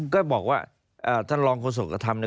ก็บอกว่าท่านรองความสุขกระทำ